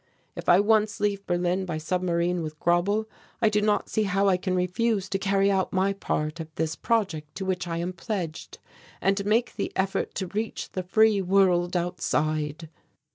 If I once leave Berlin by submarine with Grauble I do not see how I can refuse to carry out my part of this project to which I am pledged, and make the effort to reach the free world outside."